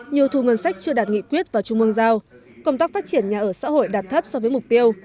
nhiều thu ngân sách chưa đạt nghị quyết và trung ương giao công tác phát triển nhà ở xã hội đạt thấp so với mục tiêu